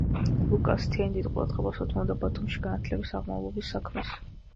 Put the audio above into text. ლუკა ასათიანი დიდ ყურადღებას უთმობდა ბათუმში განათლების აღმავლობის საქმეს.